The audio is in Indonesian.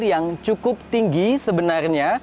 yang cukup tinggi sebenarnya